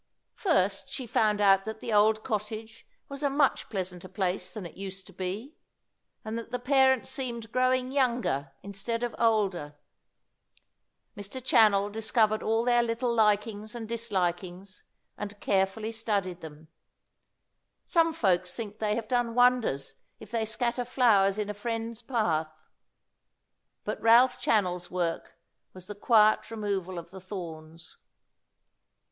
First she found out that the old cottage was a much pleasanter place than it used to be, and that the parents seemed growing younger instead of older. Mr. Channell discovered all their little likings and dislikings and carefully studied them. Some folks think they have done wonders if they scatter flowers in a friend's path, but Ralph Channell's work was the quiet removal of the thorns.